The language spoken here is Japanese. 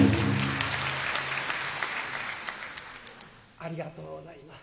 ありがとうございます。